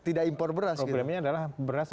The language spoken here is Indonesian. tidak impor beras sebenarnya adalah beras